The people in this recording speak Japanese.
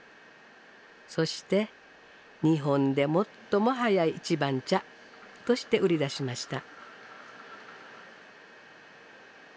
そして「日本で最も早い一番茶」として売り出しました。